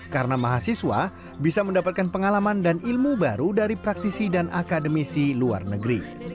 karena mahasiswa bisa mendapatkan pengalaman dan ilmu baru dari praktisi dan akademisi luar negeri